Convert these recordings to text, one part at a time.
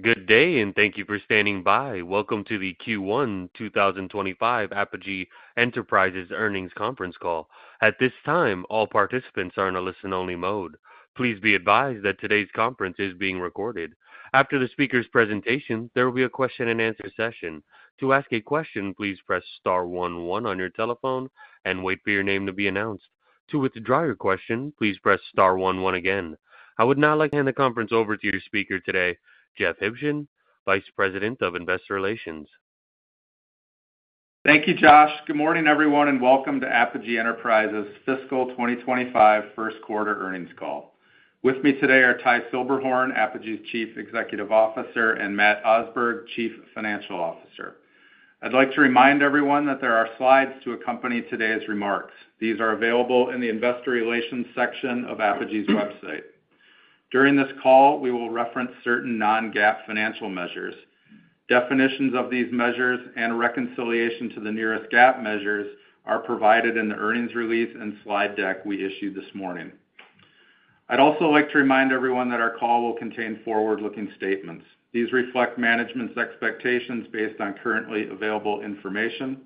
Good day, and thank you for standing by. Welcome to the Q1 2025 Apogee Enterprises earnings conference call. At this time, all participants are in a listen-only mode. Please be advised that today's conference is being recorded. After the speaker's presentation, there will be a question-and-answer session. To ask a question, please press star one one on your telephone and wait for your name to be announced. To withdraw your question, please press star one one again. I would now like to hand the conference over to your speaker today, Jeff Huebschen, Vice President of Investor Relations. Thank you, Josh. Good morning, everyone, and welcome to Apogee Enterprises' fiscal 2025 first quarter earnings call. With me today are Ty Silberhorn, Apogee's Chief Executive Officer, and Matt Osberg, Chief Financial Officer. I'd like to remind everyone that there are slides to accompany today's remarks. These are available in the Investor Relations section of Apogee's website. During this call, we will reference certain non-GAAP financial measures. Definitions of these measures and reconciliation to the nearest GAAP measures are provided in the earnings release and slide deck we issued this morning. I'd also like to remind everyone that our call will contain forward-looking statements. These reflect management's expectations based on currently available information;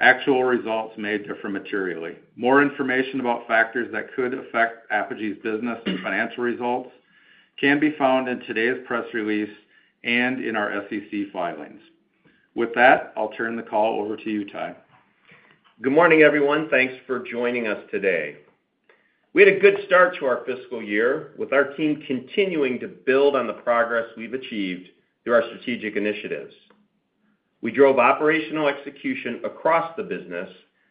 actual results may differ materially. More information about factors that could affect Apogee's business and financial results can be found in today's press release and in our SEC filings. With that, I'll turn the call over to you, Ty. Good morning, everyone. Thanks for joining us today. We had a good start to our fiscal year with our team continuing to build on the progress we've achieved through our strategic initiatives. We drove operational execution across the business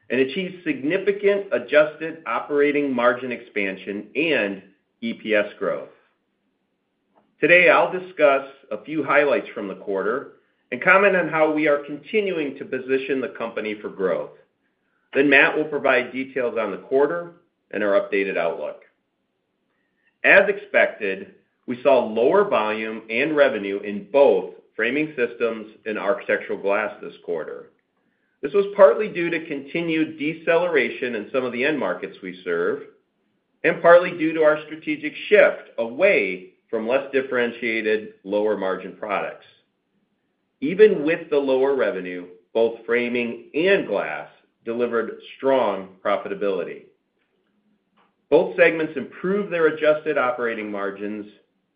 and achieved significant adjusted operating margin expansion and EPS growth. Today, I'll discuss a few highlights from the quarter and comment on how we are continuing to position the company for growth. Then Matt will provide details on the quarter and our updated outlook. As expected, we saw lower volume and revenue in both framing systems and architectural glass this quarter. This was partly due to continued deceleration in some of the end markets we serve and partly due to our strategic shift away from less differentiated, lower-margin products. Even with the lower revenue, both framing and glass delivered strong profitability. Both segments improved their adjusted operating margins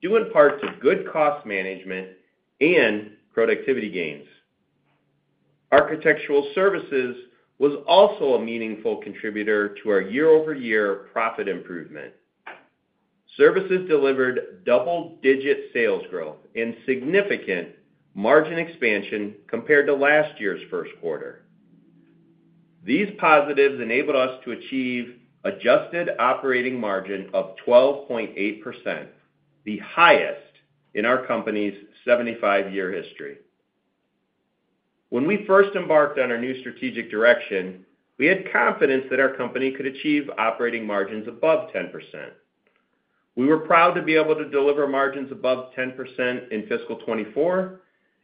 due in part to good cost management and productivity gains. Architectural Services was also a meaningful contributor to our year-over-year profit improvement. Services delivered double-digit sales growth and significant margin expansion compared to last year's first quarter. These positives enabled us to achieve an adjusted operating margin of 12.8%, the highest in our company's 75-year history. When we first embarked on our new strategic direction, we had confidence that our company could achieve operating margins above 10%. We were proud to be able to deliver margins above 10% in fiscal 2024,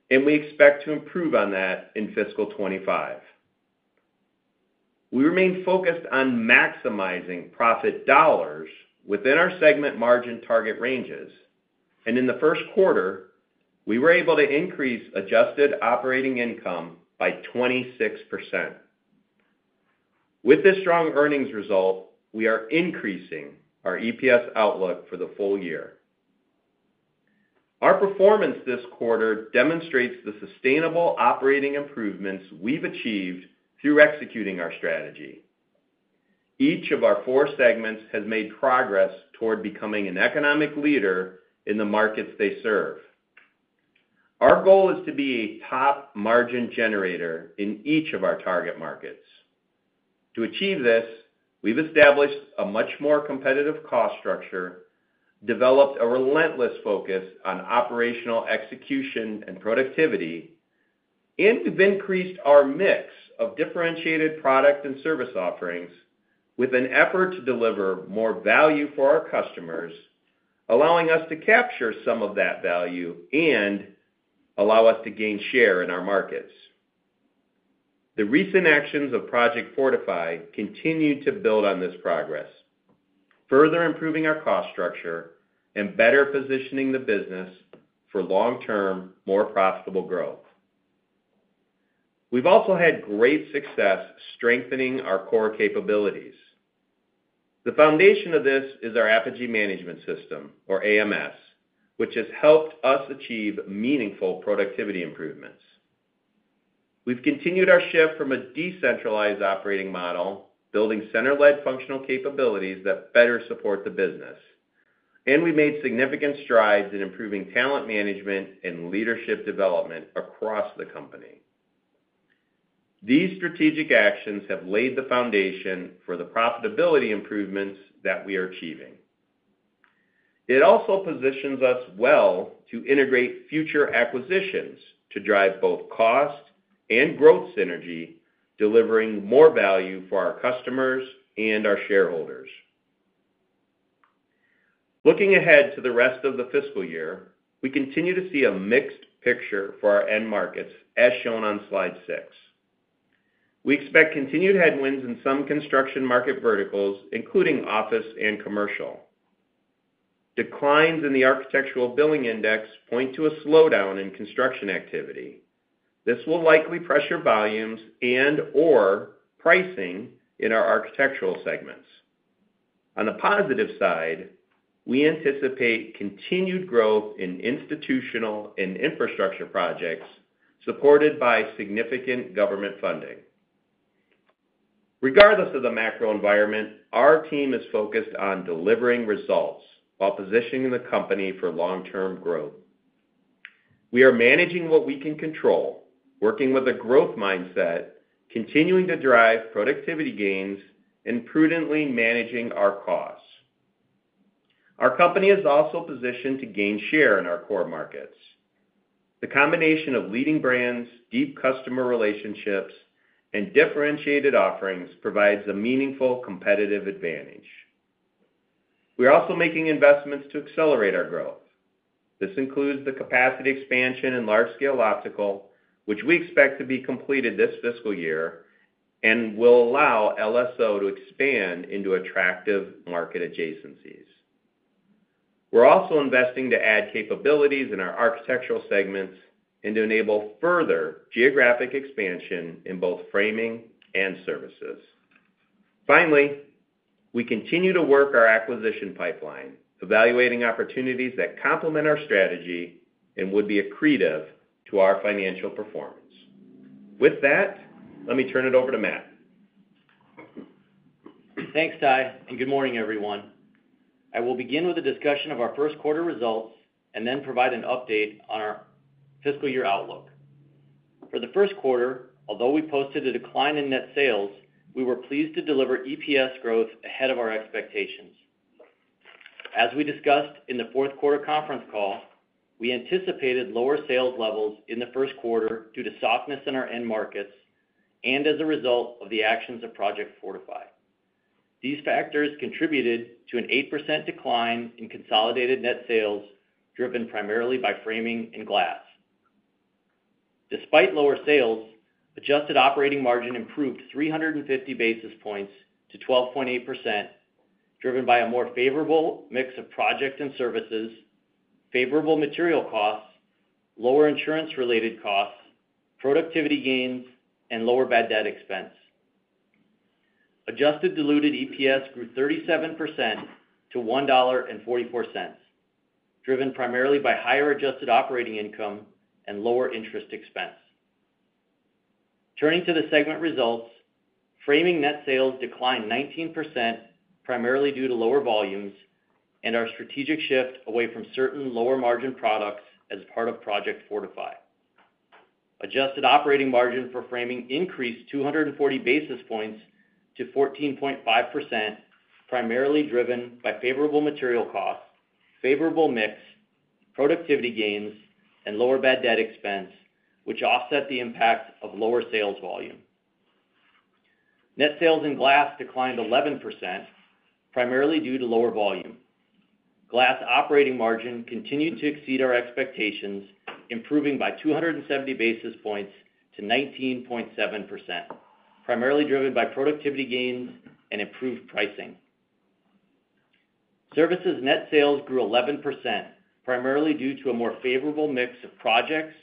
and we expect to improve on that in fiscal 2025. We remained focused on maximizing profit dollars within our segment margin target ranges, and in the first quarter, we were able to increase adjusted operating income by 26%. With this strong earnings result, we are increasing our EPS outlook for the full year. Our performance this quarter demonstrates the sustainable operating improvements we've achieved through executing our strategy. Each of our four segments has made progress toward becoming an economic leader in the markets they serve. Our goal is to be a top margin generator in each of our target markets. To achieve this, we've established a much more competitive cost structure, developed a relentless focus on operational execution and productivity, and we've increased our mix of differentiated product and service offerings with an effort to deliver more value for our customers, allowing us to capture some of that value and allow us to gain share in our markets. The recent actions of Project Fortify continue to build on this progress, further improving our cost structure and better positioning the business for long-term, more profitable growth. We've also had great success strengthening our core capabilities. The foundation of this is our Apogee Management System, or AMS, which has helped us achieve meaningful productivity improvements. We've continued our shift from a decentralized operating model, building center-led functional capabilities that better support the business, and we made significant strides in improving talent management and leadership development across the company. These strategic actions have laid the foundation for the profitability improvements that we are achieving. It also positions us well to integrate future acquisitions to drive both cost and growth synergy, delivering more value for our customers and our shareholders. Looking ahead to the rest of the fiscal year, we continue to see a mixed picture for our end markets, as shown on slide six. We expect continued headwinds in some construction market verticals, including office and commercial. Declines in the Architecture Billings Index point to a slowdown in construction activity. This will likely pressure volumes and/or pricing in our architectural segments. On the positive side, we anticipate continued growth in institutional and infrastructure projects supported by significant government funding. Regardless of the macro environment, our team is focused on delivering results while positioning the company for long-term growth. We are managing what we can control, working with a growth mindset, continuing to drive productivity gains, and prudently managing our costs. Our company is also positioned to gain share in our core markets. The combination of leading brands, deep customer relationships, and differentiated offerings provides a meaningful competitive advantage. We are also making investments to accelerate our growth. This includes the capacity expansion in Large-Scale Optical, which we expect to be completed this fiscal year and will allow LSO to expand into attractive market adjacencies. We're also investing to add capabilities in our architectural segments and to enable further geographic expansion in both framing and services. Finally, we continue to work our acquisition pipeline, evaluating opportunities that complement our strategy and would be accretive to our financial performance. With that, let me turn it over to Matt. Thanks, Ty, and good morning, everyone. I will begin with a discussion of our first-quarter results and then provide an update on our fiscal year outlook. For the first quarter, although we posted a decline in net sales, we were pleased to deliver EPS growth ahead of our expectations. As we discussed in the fourth-quarter conference call, we anticipated lower sales levels in the first quarter due to softness in our end markets and as a result of the actions of Project Fortify. These factors contributed to an 8% decline in consolidated net sales, driven primarily by framing and glass. Despite lower sales, adjusted operating margin improved 350 basis points to 12.8%, driven by a more favorable mix of project and services, favorable material costs, lower insurance-related costs, productivity gains, and lower bad debt expense. Adjusted diluted EPS grew 37% to $1.44, driven primarily by higher adjusted operating income and lower interest expense. Turning to the segment results, framing net sales declined 19%, primarily due to lower volumes and our strategic shift away from certain lower-margin products as part of Project Fortify. Adjusted operating margin for framing increased 240 basis points to 14.5%, primarily driven by favorable material costs, favorable mix, productivity gains, and lower bad debt expense, which offset the impact of lower sales volume. Net sales in glass declined 11%, primarily due to lower volume. Glass operating margin continued to exceed our expectations, improving by 270 basis points to 19.7%, primarily driven by productivity gains and improved pricing. Services net sales grew 11%, primarily due to a more favorable mix of projects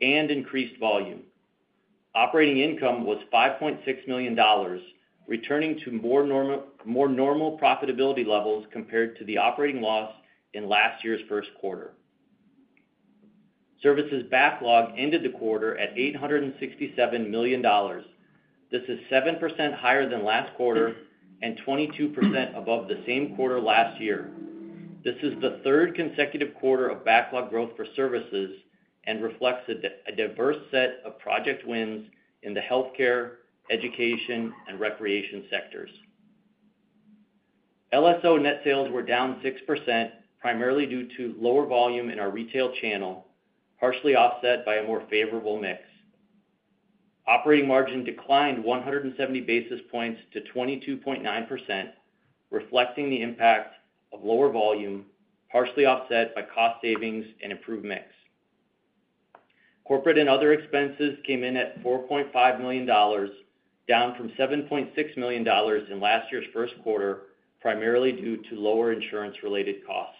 and increased volume. Operating income was $5.6 million, returning to more normal profitability levels compared to the operating loss in last year's first quarter. Services backlog ended the quarter at $867 million. This is 7% higher than last quarter and 22% above the same quarter last year. This is the third consecutive quarter of backlog growth for services and reflects a diverse set of project wins in the healthcare, education, and recreation sectors. LSO net sales were down 6%, primarily due to lower volume in our retail channel, partially offset by a more favorable mix. Operating margin declined 170 basis points to 22.9%, reflecting the impact of lower volume, partially offset by cost savings and improved mix. Corporate and other expenses came in at $4.5 million, down from $7.6 million in last year's first quarter, primarily due to lower insurance-related costs.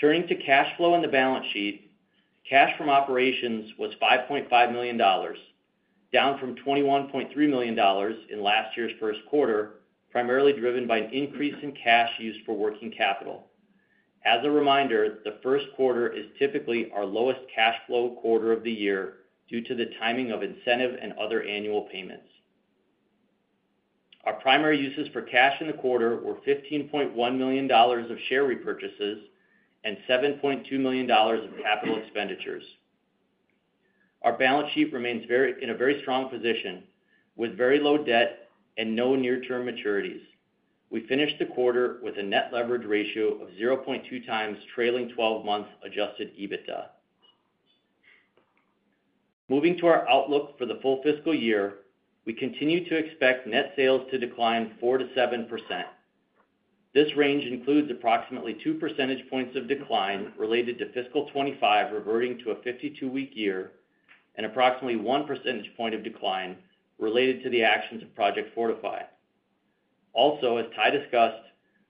Turning to cash flow on the balance sheet, cash from operations was $5.5 million, down from $21.3 million in last year's first quarter, primarily driven by an increase in cash used for working capital. As a reminder, the first quarter is typically our lowest cash flow quarter of the year due to the timing of incentive and other annual payments. Our primary uses for cash in the quarter were $15.1 million of share repurchases and $7.2 million of capital expenditures. Our balance sheet remains in a very strong position with very low debt and no near-term maturities. We finished the quarter with a net leverage ratio of 0.2x trailing 12-month adjusted EBITDA. Moving to our outlook for the full fiscal year, we continue to expect net sales to decline 4%-7%. This range includes approximately 2 percentage points of decline related to fiscal 2025 reverting to a 52-week year and approximately 1 percentage point of decline related to the actions of Project Fortify. Also, as Ty discussed,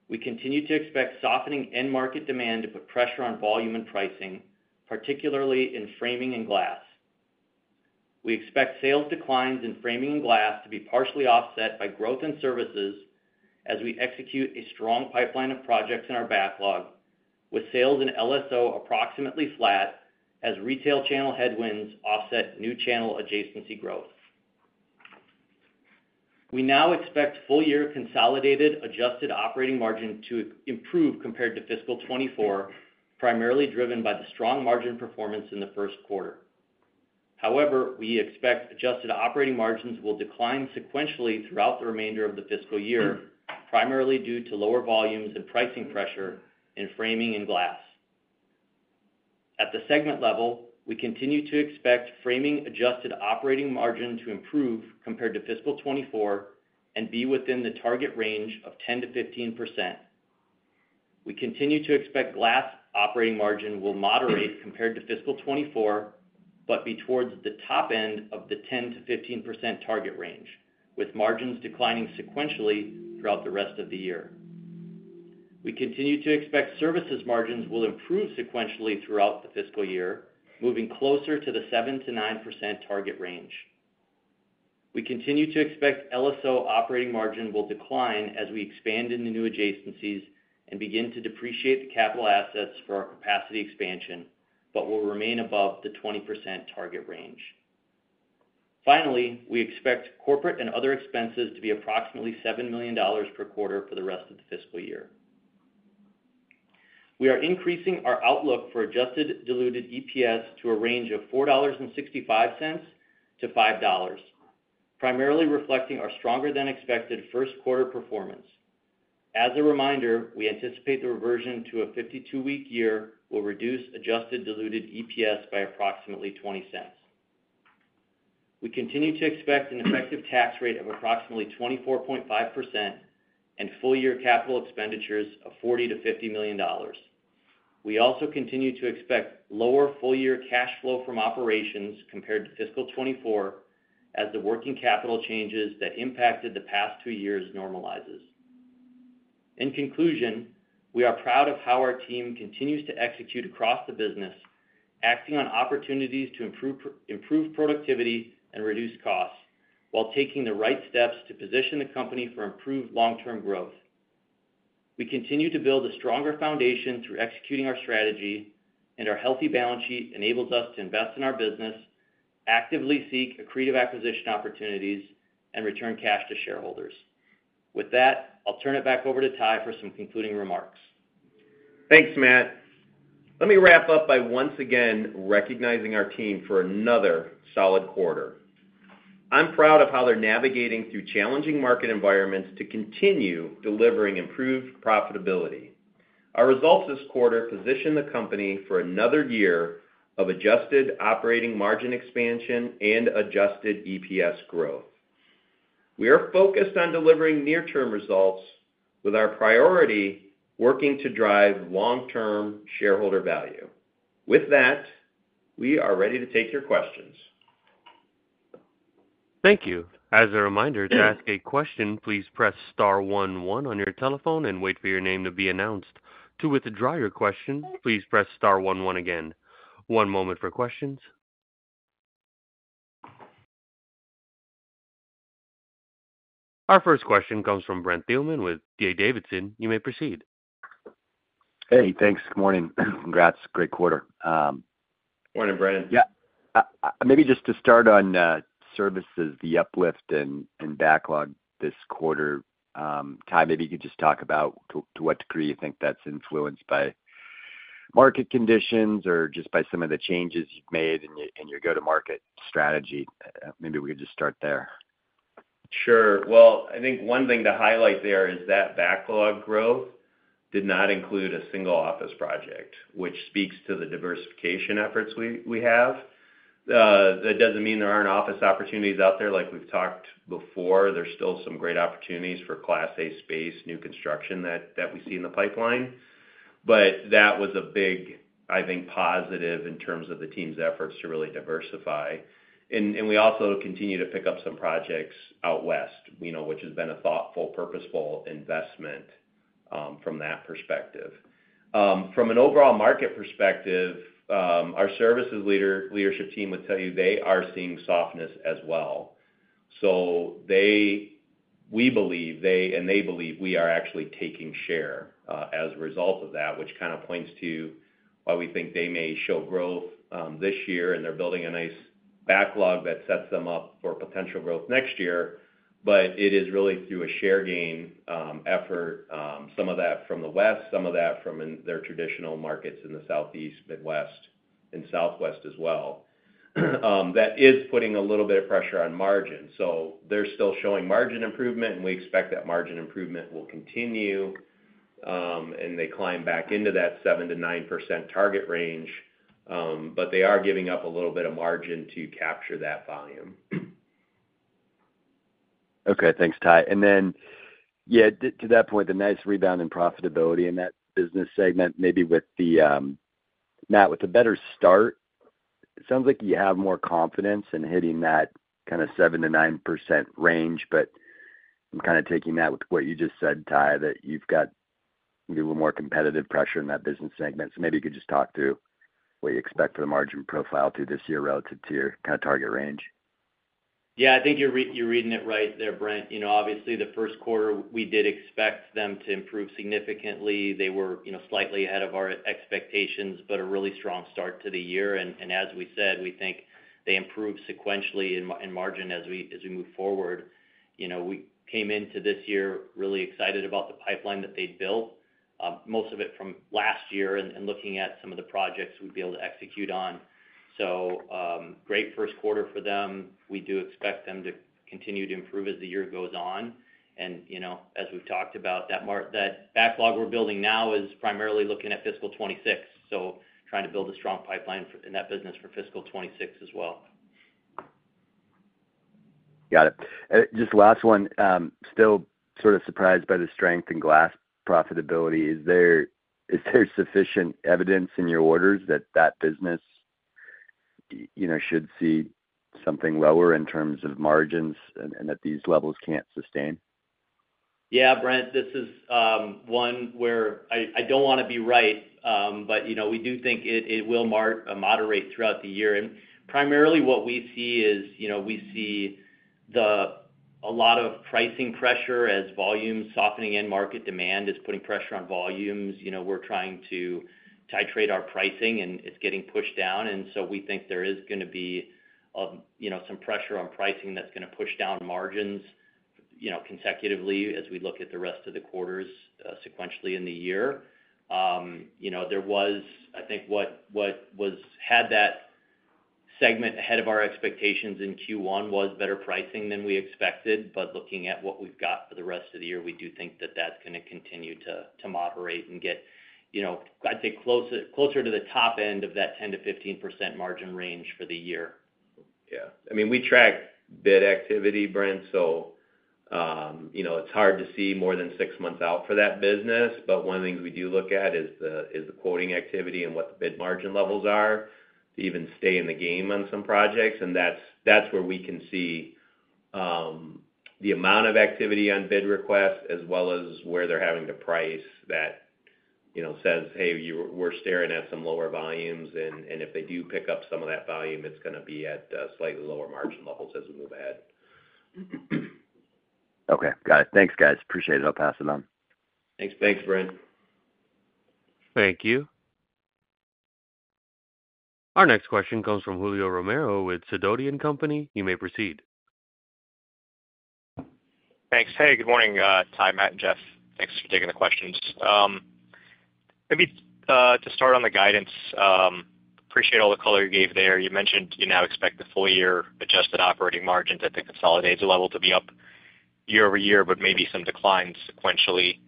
we continue to expect softening end market demand to put pressure on volume and pricing, particularly in framing and glass. We expect sales declines in framing and glass to be partially offset by growth in services as we execute a strong pipeline of projects in our backlog, with sales in LSO approximately flat as retail channel headwinds offset new channel adjacency growth. We now expect full-year consolidated adjusted operating margin to improve compared to fiscal 2024, primarily driven by the strong margin performance in the first quarter. However, we expect adjusted operating margins will decline sequentially throughout the remainder of the fiscal year, primarily due to lower volumes and pricing pressure in framing and glass. At the segment level, we continue to expect framing adjusted operating margin to improve compared to fiscal 2024 and be within the target range of 10%-15%. We continue to expect glass operating margin will moderate compared to fiscal 2024, but be towards the top end of the 10%-15% target range, with margins declining sequentially throughout the rest of the year. We continue to expect services margins will improve sequentially throughout the fiscal year, moving closer to the 7%-9% target range. We continue to expect LSO operating margin will decline as we expand into new adjacencies and begin to depreciate the capital assets for our capacity expansion, but will remain above the 20% target range. Finally, we expect corporate and other expenses to be approximately $7 million per quarter for the rest of the fiscal year. We are increasing our outlook for adjusted diluted EPS to a range of $4.65-$5, primarily reflecting our stronger-than-expected first-quarter performance. As a reminder, we anticipate the reversion to a 52-week year will reduce adjusted diluted EPS by approximately $0.20. We continue to expect an effective tax rate of approximately 24.5% and full-year capital expenditures of $40 million-$50 million. We also continue to expect lower full-year cash flow from operations compared to fiscal 2024 as the working capital changes that impacted the past two years normalizes. In conclusion, we are proud of how our team continues to execute across the business, acting on opportunities to improve productivity and reduce costs while taking the right steps to position the company for improved long-term growth. We continue to build a stronger foundation through executing our strategy, and our healthy balance sheet enables us to invest in our business, actively seek accretive acquisition opportunities, and return cash to shareholders. With that, I'll turn it back over to Ty for some concluding remarks. Thanks, Matt. Let me wrap up by once again recognizing our team for another solid quarter. I'm proud of how they're navigating through challenging market environments to continue delivering improved profitability. Our results this quarter position the company for another year of adjusted operating margin expansion and adjusted EPS growth. We are focused on delivering near-term results, with our priority working to drive long-term shareholder value. With that, we are ready to take your questions. Thank you. As a reminder, to ask a question, please press star one one on your telephone and wait for your name to be announced. To withdraw your question, please press star one one again. One moment for questions. Our first question comes from Brent Thielman with D.A. Davidson. You may proceed. Hey, thanks. Good morning. Congrats. Great quarter. Morning, Brent. Yeah. Maybe just to start on services, the uplift and backlog this quarter, Ty, maybe you could just talk about to what degree you think that's influenced by market conditions or just by some of the changes you've made in your go-to-market strategy. Maybe we could just start there. Sure. Well, I think one thing to highlight there is that backlog growth did not include a single office project, which speaks to the diversification efforts we have. That doesn't mean there aren't office opportunities out there. Like we've talked before, there's still some great opportunities for Class A space, new construction that we see in the pipeline. But that was a big, I think, positive in terms of the team's efforts to really diversify. And we also continue to pick up some projects out West, which has been a thoughtful, purposeful investment from that perspective. From an overall market perspective, our services leadership team would tell you they are seeing softness as well. So we believe, and they believe, we are actually taking share as a result of that, which kind of points to why we think they may show growth this year, and they're building a nice backlog that sets them up for potential growth next year. But it is really through a share gain effort, some of that from the West, some of that from their traditional markets in the Southeast, Midwest, and Southwest as well. That is putting a little bit of pressure on margin. So they're still showing margin improvement, and we expect that margin improvement will continue, and they climb back into that 7%-9% target range. But they are giving up a little bit of margin to capture that volume. Okay. Thanks, Ty. And then, yeah, to that point, the nice rebound in profitability in that business segment, maybe with the not with a better start, it sounds like you have more confidence in hitting that kind of 7%-9% range. But I'm kind of taking that with what you just said, Ty, that you've got maybe a little more competitive pressure in that business segment. So maybe you could just talk through what you expect for the margin profile through this year relative to your kind of target range. Yeah. I think you're reading it right there, Brent. Obviously, the first quarter, we did expect them to improve significantly. They were slightly ahead of our expectations, but a really strong start to the year. And as we said, we think they improve sequentially in margin as we move forward. We came into this year really excited about the pipeline that they'd built, most of it from last year and looking at some of the projects we'd be able to execute on. So great first quarter for them. We do expect them to continue to improve as the year goes on. And as we've talked about, that backlog we're building now is primarily looking at fiscal 2026, so trying to build a strong pipeline in that business for fiscal 2026 as well. Got it. Just last one, still sort of surprised by the strength in glass profitability. Is there sufficient evidence in your orders that that business should see something lower in terms of margins and that these levels can't sustain? Yeah, Brent, this is one where I don't want to be right, but we do think it will moderate throughout the year. And primarily what we see is we see a lot of pricing pressure as volume softening and market demand is putting pressure on volumes. We're trying to titrate our pricing, and it's getting pushed down. And so we think there is going to be some pressure on pricing that's going to push down margins consecutively as we look at the rest of the quarters sequentially in the year. There was, I think, what had that segment ahead of our expectations in Q1 was better pricing than we expected. But looking at what we've got for the rest of the year, we do think that that's going to continue to moderate and get, I'd say, closer to the top end of that 10%-15% margin range for the year. Yeah. I mean, we track bid activity, Brent, so it's hard to see more than six months out for that business. But one of the things we do look at is the quoting activity and what the bid margin levels are to even stay in the game on some projects. And that's where we can see the amount of activity on bid requests as well as where they're having to price that says, "Hey, we're staring at some lower volumes." And if they do pick up some of that volume, it's going to be at slightly lower margin levels as we move ahead. Okay. Got it. Thanks, guys. Appreciate it. I'll pass it on. Thanks, Brent. Thank you. Our next question comes from Julio Romero with Sidoti & Company. You may proceed. Thanks. Hey, good morning, Ty, Matt, and Jeff. Thanks for taking the questions. Maybe to start on the guidance, appreciate all the color you gave there. You mentioned you now expect the full-year adjusted operating margins at the consolidated level to be up year-over-year, but maybe some declines sequentially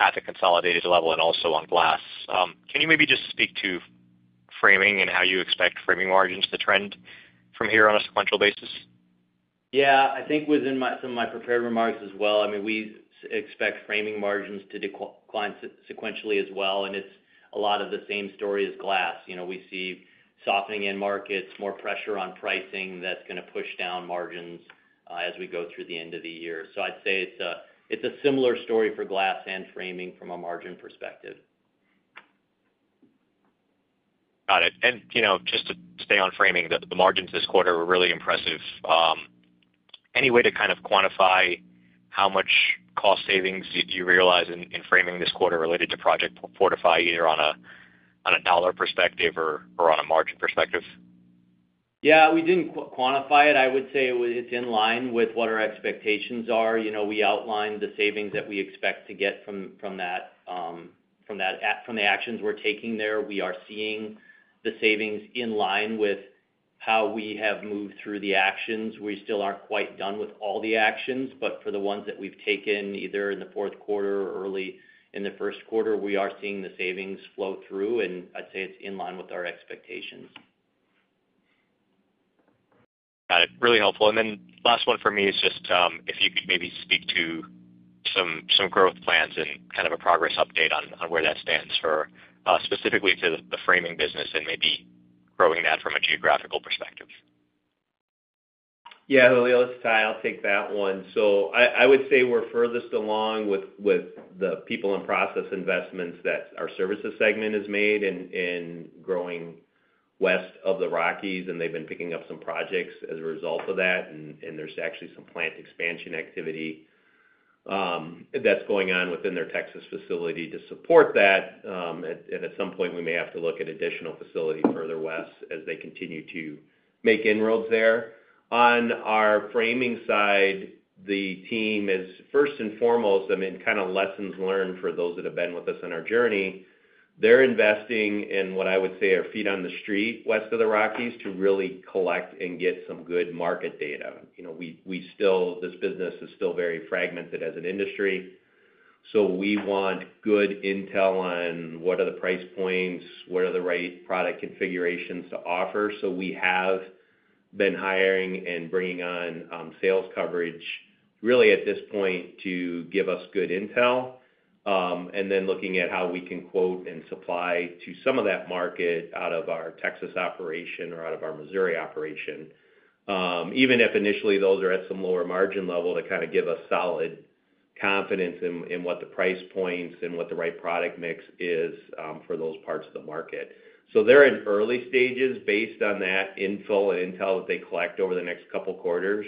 at the consolidated level and also on glass. Can you maybe just speak to framing and how you expect framing margins to trend from here on a sequential basis? Yeah. I think within some of my prepared remarks as well, I mean, we expect framing margins to decline sequentially as well. It's a lot of the same story as glass. We see softening in markets, more pressure on pricing that's going to push down margins as we go through the end of the year. I'd say it's a similar story for glass and framing from a margin perspective. Got it. And just to stay on framing, the margins this quarter were really impressive. Any way to kind of quantify how much cost savings you realize in framing this quarter related to Project Fortify, either on a dollar perspective or on a margin perspective? Yeah. We didn't quantify it. I would say it's in line with what our expectations are. We outlined the savings that we expect to get from that, from the actions we're taking there. We are seeing the savings in line with how we have moved through the actions. We still aren't quite done with all the actions. But for the ones that we've taken either in the fourth quarter or early in the first quarter, we are seeing the savings flow through. And I'd say it's in line with our expectations. Got it. Really helpful. And then last one for me is just if you could maybe speak to some growth plans and kind of a progress update on where that stands for specifically to the framing business and maybe growing that from a geographical perspective? Yeah. Julio, this is Ty. I'll take that one. So I would say we're furthest along with the people and process investments that our services segment has made in growing West of the Rockies. They've been picking up some projects as a result of that. There's actually some plant expansion activity that's going on within their Texas facility to support that. At some point, we may have to look at additional facility further West as they continue to make inroads there. On our framing side, the team is, first and foremost, I mean, kind of lessons learned for those that have been with us on our journey. They're investing in what I would say are feet on the street West of the Rockies to really collect and get some good market data. This business is still very fragmented as an industry. So we want good intel on what are the price points, what are the right product configurations to offer. So we have been hiring and bringing on sales coverage, really, at this point to give us good intel. And then looking at how we can quote and supply to some of that market out of our Texas operation or out of our Missouri operation, even if initially those are at some lower margin level to kind of give us solid confidence in what the price points and what the right product mix is for those parts of the market. So they're in early stages based on that info and intel that they collect over the next couple of quarters.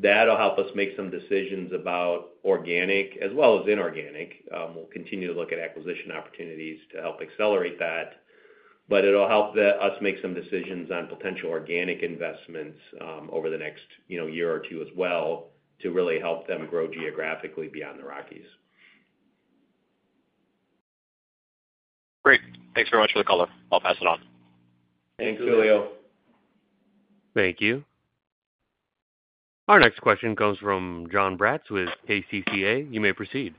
That'll help us make some decisions about organic as well as inorganic. We'll continue to look at acquisition opportunities to help accelerate that. But it'll help us make some decisions on potential organic investments over the next year or two as well to really help them grow geographically beyond the Rockies. Great. Thanks very much for the call. I'll pass it on. Thanks, Julio. Thank you. Our next question comes from Jon Braatz with KCCA. You may proceed.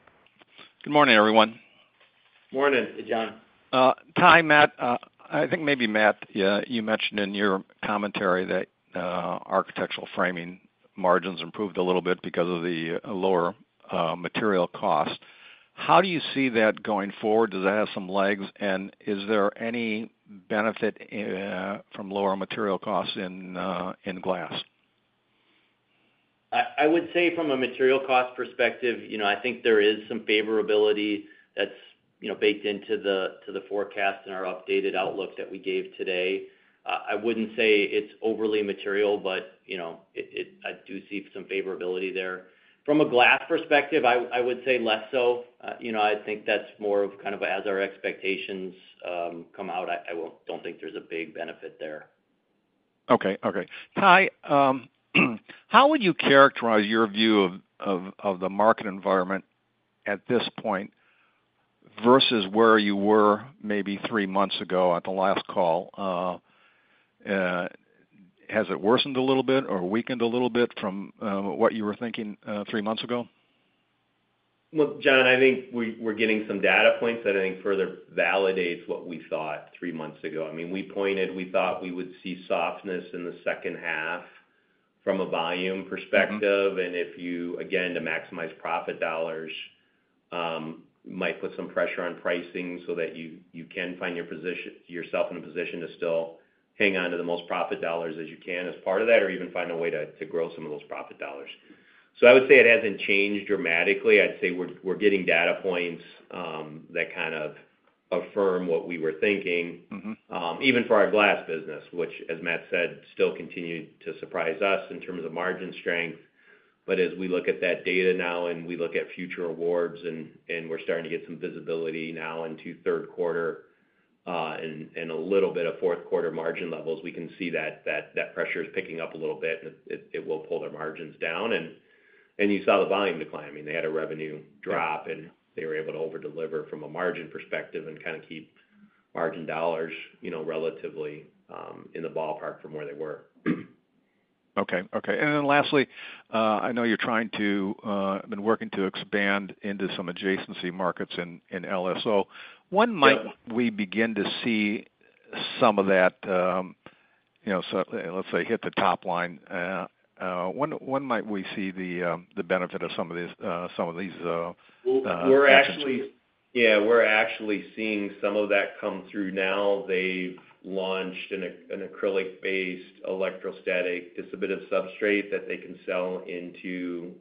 Good morning, everyone. Morning, Jon. Hey, Jon. Ty, Matt, I think maybe Matt, you mentioned in your commentary that architectural framing margins improved a little bit because of the lower material cost. How do you see that going forward? Does that have some legs? And is there any benefit from lower material costs in glass? I would say from a material cost perspective, I think there is some favorability that's baked into the forecast and our updated outlook that we gave today. I wouldn't say it's overly material, but I do see some favorability there. From a glass perspective, I would say less so. I think that's more of kind of as our expectations come out. I don't think there's a big benefit there. Okay. Okay. Ty, how would you characterize your view of the market environment at this point versus where you were maybe three months ago at the last call? Has it worsened a little bit or weakened a little bit from what you were thinking three months ago? Well, Jon, I think we're getting some data points that I think further validates what we thought three months ago. I mean, we pointed we thought we would see softness in the second half from a volume perspective. If you, again, to maximize profit dollars, might put some pressure on pricing so that you can find yourself in a position to still hang on to the most profit dollars as you can as part of that or even find a way to grow some of those profit dollars. So I would say it hasn't changed dramatically. I'd say we're getting data points that kind of affirm what we were thinking, even for our glass business, which, as Matt said, still continued to surprise us in terms of margin strength. But as we look at that data now and we look at future awards and we're starting to get some visibility now into third quarter and a little bit of fourth quarter margin levels, we can see that that pressure is picking up a little bit. And it will pull their margins down. And you saw the volume decline. I mean, they had a revenue drop, and they were able to overdeliver from a margin perspective and kind of keep margin dollars relatively in the ballpark from where they were. Okay. Okay. And then lastly, I know you've been working to expand into some adjacency markets in LSO. When might we begin to see some of that, let's say, hit the top line? When might we see the benefit of some of these? Yeah. We're actually seeing some of that come through now. They've launched an acrylic-based electrostatic dissipative substrate that they can sell into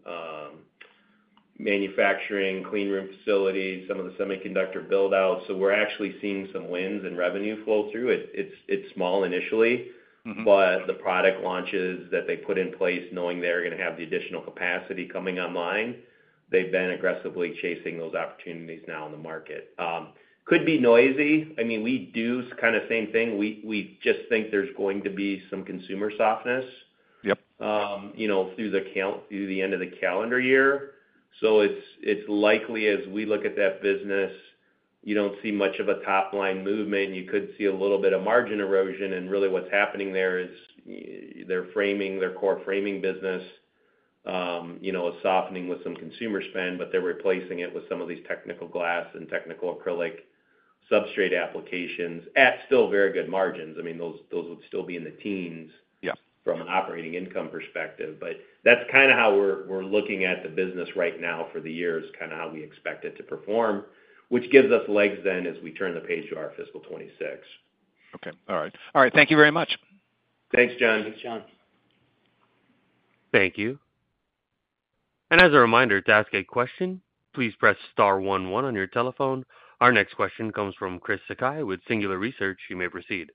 manufacturing, cleanroom facilities, some of the semiconductor buildouts. So we're actually seeing some wins in revenue flow through. It's small initially, but the product launches that they put in place knowing they're going to have the additional capacity coming online, they've been aggressively chasing those opportunities now in the market. Could be noisy. I mean, we do kind of same thing. We just think there's going to be some consumer softness through the end of the calendar year. So it's likely, as we look at that business, you don't see much of a top-line movement. You could see a little bit of margin erosion. Really what's happening there is they're framing their core framing business, a softening with some consumer spend, but they're replacing it with some of these technical glass and technical acrylic substrate applications at still very good margins. I mean, those would still be in the teens from an operating income perspective. But that's kind of how we're looking at the business right now for the year, is kind of how we expect it to perform, which gives us legs then as we turn the page to our fiscal 2026. Okay. All right. All right. Thank you very much. Thanks, Jon. Thanks, Jon. Thank you. As a reminder, to ask a question, please press star one one on your telephone. Our next question comes from Chris Sakai with Singular Research. You may proceed.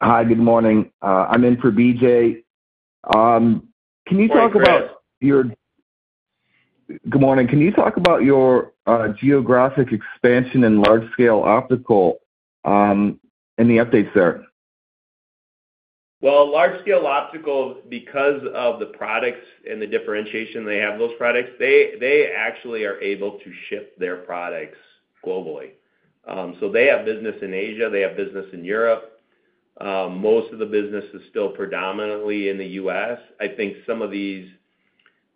Hi, good morning. I'm in for BJ. Can you talk about your. Hey. Good morning. Can you talk about your geographic expansion and Large-Scale Optical and the updates there? Well, Large-Scale Optical, because of the products and the differentiation they have, those products, they actually are able to ship their products globally. So they have business in Asia. They have business in Europe. Most of the business is still predominantly in the U.S. I think some of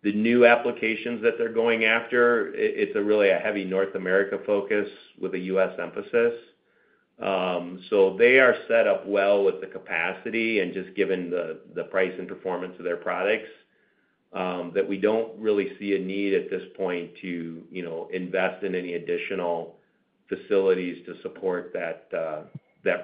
the new applications that they're going after, it's really a heavy North America focus with a U.S. emphasis. So they are set up well with the capacity and just given the price and performance of their products that we don't really see a need at this point to invest in any additional facilities to support that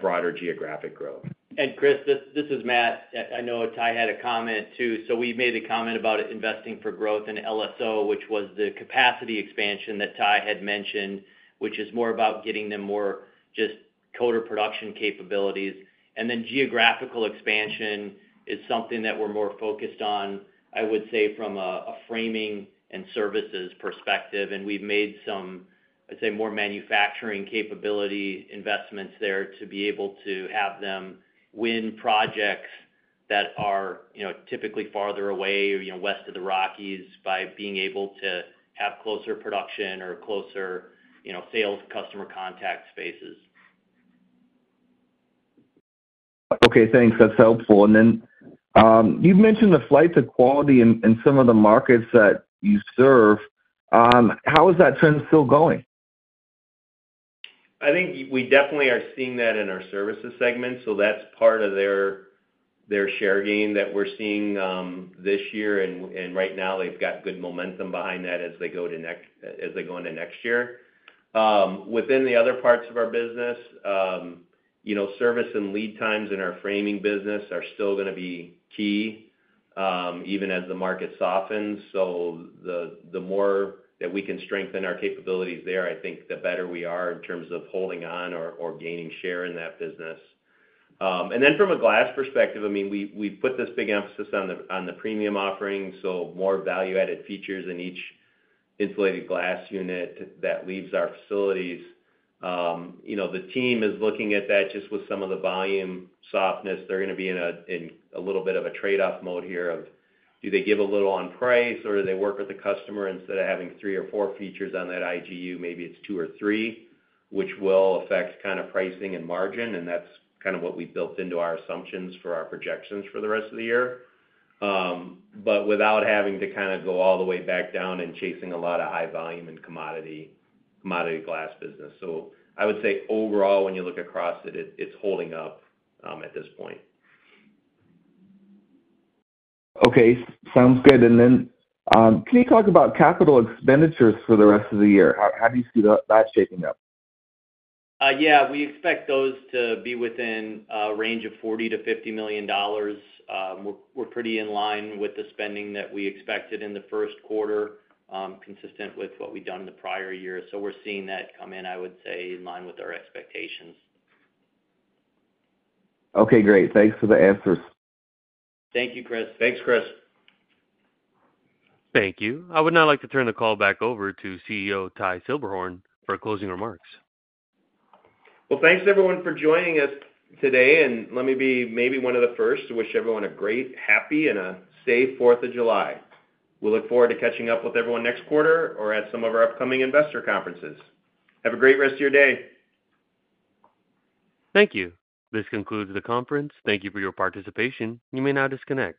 broader geographic growth. And Chris, this is Matt. I know Ty had a comment too. So we made a comment about investing for growth in LSO, which was the capacity expansion that Ty had mentioned, which is more about getting them more just coater production capabilities. And then geographical expansion is something that we're more focused on, I would say, from a framing and services perspective. And we've made some, I'd say, more manufacturing capability investments there to be able to have them win projects that are typically farther away or West of the Rockies by being able to have closer production or closer sales customer contact spaces. Okay. Thanks. That's helpful. And then you've mentioned the flight to quality in some of the markets that you serve. How is that trend still going? I think we definitely are seeing that in our services segment. So that's part of their share gain that we're seeing this year. And right now, they've got good momentum behind that as they go into next year. Within the other parts of our business, service and lead times in our framing business are still going to be key even as the market softens. So the more that we can strengthen our capabilities there, I think the better we are in terms of holding on or gaining share in that business. And then from a glass perspective, I mean, we've put this big emphasis on the premium offering. So more value-added features in each insulated glass unit that leaves our facilities. The team is looking at that just with some of the volume softness. They're going to be in a little bit of a trade-off mode here of do they give a little on price or do they work with the customer instead of having three or four features on that IGU? Maybe it's two or three, which will affect kind of pricing and margin. And that's kind of what we built into our assumptions for our projections for the rest of the year, but without having to kind of go all the way back down and chasing a lot of high volume and commodity glass business. So I would say overall, when you look across it, it's holding up at this point. Okay. Sounds good. And then can you talk about capital expenditures for the rest of the year? How do you see that shaping up? Yeah. We expect those to be within a range of $40 million-$50 million. We're pretty in line with the spending that we expected in the first quarter, consistent with what we've done in the prior year. So we're seeing that come in, I would say, in line with our expectations. Okay. Great. Thanks for the answers. Thank you, Chris. Thanks, Chris. Thank you. I would now like to turn the call back over to CEO Ty Silberhorn for closing remarks. Well, thanks everyone for joining us today. Let me be maybe one of the first to wish everyone a great, happy, and a safe 4th of July. We'll look forward to catching up with everyone next quarter or at some of our upcoming investor conferences. Have a great rest of your day. Thank you. This concludes the conference. Thank you for your participation. You may now disconnect.